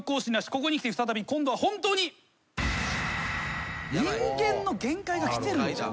ここにきて再び今度は本当に人間の限界がきてるんじゃないかと。